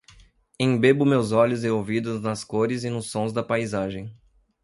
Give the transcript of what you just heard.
embebo meus olhos e ouvidos nas cores e nos sons da paisagem